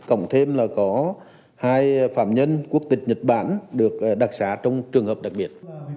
cộng thêm là có hai phạm nhân quốc tịch nhật bản được đặc xá trong trường hợp đặc biệt